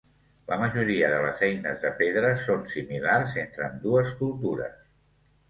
La majoria de les eines de pedra són similars entre ambdues cultures.